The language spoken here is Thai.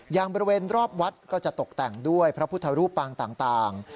อย่างบริเวณรอบวัดก็จะตกแต่งด้วยพระพุทธรูปปางต่าง